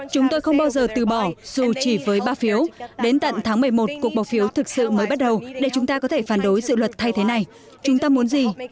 chúng tôi không bao giờ từ bỏ dù chỉ với ba phiếu đến tận tháng một mươi một cuộc bỏ phiếu thực sự mới bắt đầu để chúng ta có thể phản đối dự luật thay thế này chúng ta muốn gì